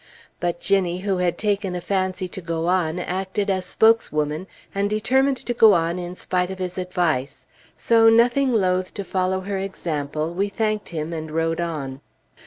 But Ginnie, who had taken a fancy to go on, acted as spokeswoman, and determined to go on in spite of his advice, so, nothing loath to follow her example, we thanked him, and rode on.